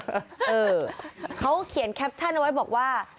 เออเขาเขียนแคปชั่นเอาไว้บอกว่า